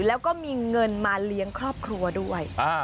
แล้วก็มีเงินมาเลี้ยงครอบครัวด้วย